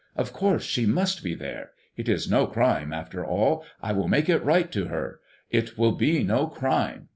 Of course she must be there. It is no crime, after all. I will make it right to her, it will be no crime.